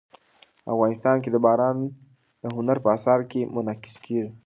افغانستان کې باران د هنر په اثار کې منعکس کېږي.